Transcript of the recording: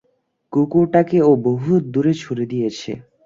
কুকুরটাকে ও বহুত দূরে ছুঁড়ে দিয়েছে।